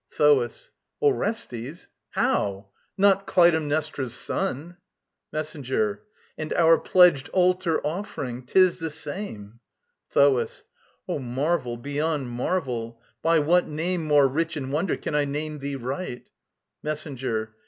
THOAS. Orestes how? Not Clytemnestra's son? MESSENGER. And our pledged altar offering. 'Tis the same. THOAS. O marvel beyond marvel! By what name More rich in wonder can I name thee right? MESSENGER.